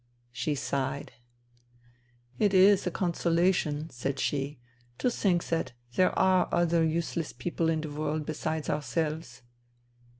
She sighed. "It is a consolation," said she, " to think that there are other useless people in the world besides ourselves.